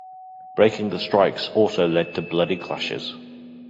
Breaking the strikes also led to bloody clashes.